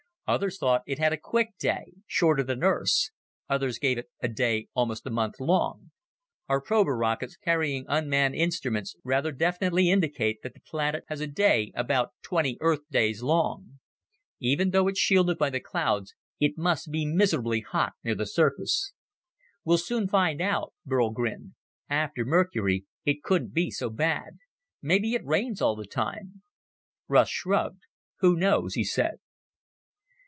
Others thought it had a quick day, shorter than Earth's. Others gave it a day almost a month long. "Our prober rockets, carrying unmanned instruments, rather definitely indicate that the planet has a day about twenty Earth days long. Even though it's shielded by the clouds, it must be miserably hot near the surface." "We'll soon find out." Burl grinned. "After Mercury, it couldn't be so bad. Maybe it rains all the time." Russ shrugged. "Who knows?" he said.